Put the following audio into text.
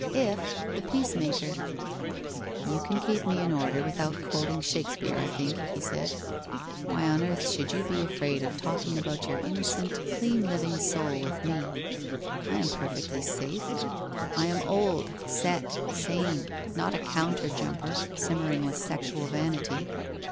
' If, the peacemaker!' ' You can keep me in order without quoting Shake speare, I think,' he said. ' Why on earth should you be afraid of talking about your innocent, clean living soul with me? I am perfectly safe. I am old, set, sane, not a counter jumper, simmering with sexual vanity.